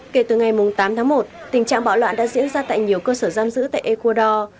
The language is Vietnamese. kể từ ngày tám tháng một tình trạng bạo loạn đã diễn ra tại nhiều cơ sở giam giữ tại ecuador